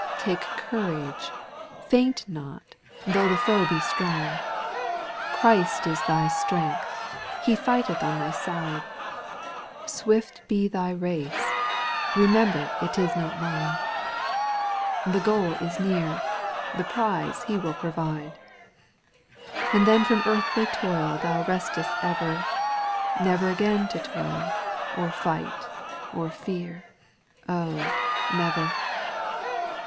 4. Take courage, faint not, tho' the foe be strong, Christ is thy strength I He fightcth on thy side ; Swift be thy race ; remember 'tis not long. The goal is near ; the prize He will provide. And then from eartlily toil thou restest ever ; Never again to toil, or fight, or fear :— oh I never.